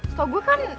setau gue kan